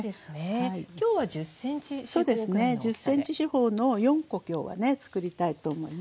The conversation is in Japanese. １０ｃｍ四方の４コ今日はねつくりたいと思います。